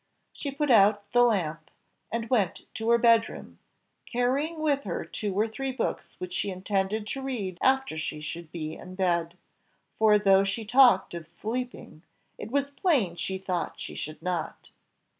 She put out the lamp, and went to her bed room, carrying with her two or three books which she intended to read after she should be in bed; for, though she talked of sleeping, it was plain she thought she should not.